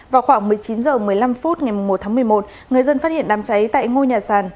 vào khoảng một mươi chín h một mươi năm phút ngày một tháng một mươi một người dân phát hiện đám cháy tại ngôi nhà sàn